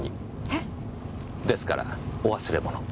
えっ？ですからお忘れ物。